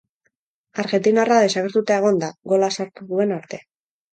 Argentinarra desagertuta egon da, gola sartu duen arte.